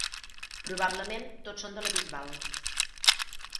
Probablement tots són de la Bisbal.